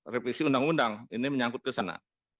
revisi undang undang ini menyangkut ke sana